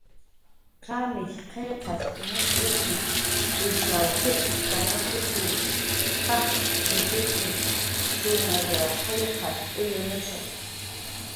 "Qamish qillqas mushkutna, ishaw jicx'k""anushutxi, qajcxnushutxi, shumayw qillqas uyunushu"